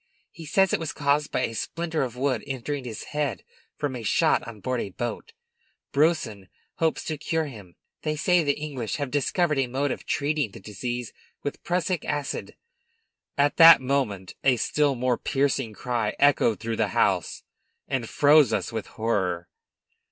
He says it was caused by a splinter of wood entering his head from a shot on board a boat. Brousson hopes to cure him. They say the English have discovered a mode of treating the disease with prussic acid " At that instant a still more piercing cry echoed through the house, and froze us with horror.